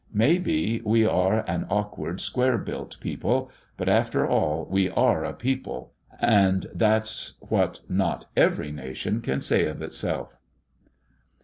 May be, we are an awkward, square built people; but after all we are a people, and that's what not every nation can say of itself."